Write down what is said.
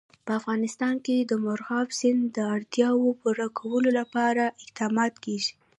په افغانستان کې د مورغاب سیند د اړتیاوو پوره کولو لپاره اقدامات کېږي.